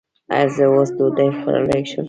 ایا زه اوس ډوډۍ خوړلی شم؟